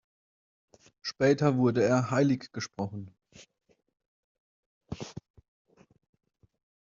Später wurde er heiliggesprochen.